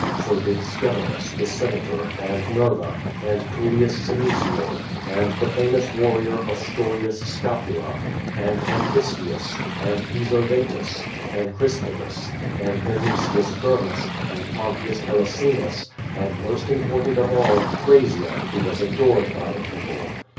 So did Scevinus, the Senator, and Norva, and Tullius Senecio, and the famous wjirrior, Ostorius Sca]» ula, and Antistius, and Piso Vetus, and Crispinus, and Minu cius Thermus, and Pontius Telesinus, and, most important of all, Thrasea, who was adored by the people.